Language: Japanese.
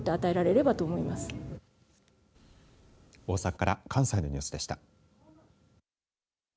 大阪から関西のニュースでした。